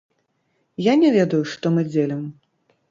Я не ведаю, што мы дзелім.